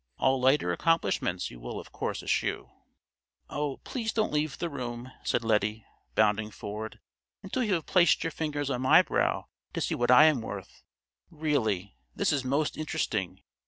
All lighter accomplishments you will of course eschew." "Oh, please don't leave the room," said Lettie, bounding forward, "until you have placed your fingers on my brow to see what I am worth. Really, this is most interesting.